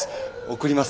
送ります。